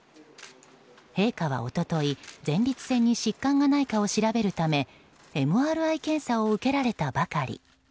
陛下は一昨日、前立腺に疾患がないかを調べるためＭＲＩ検査を受けられたばかり。